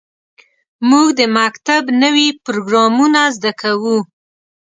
موږ د مکتب نوې پروګرامونه زده کوو.